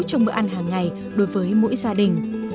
trong bữa ăn hàng ngày đối với mỗi gia đình